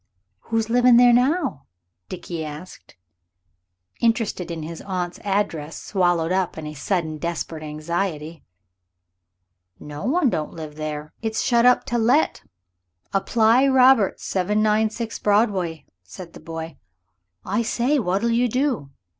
"Who's livin' there now?" Dickie asked, interest in his aunt's address swallowed up in a sudden desperate anxiety. "No one don't live there. It's shut up to let apply Roberts 796 Broadway," said the boy. "I say, what'll you do?"